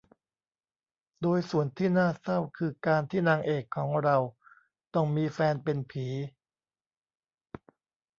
โดยส่วนที่น่าเศร้าคือการที่นางเอกของเราต้องมีแฟนเป็นผี